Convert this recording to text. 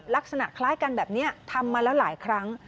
ลักษณะคล้ายกันแบบนี้ทำมาแล้วหลายครั้ง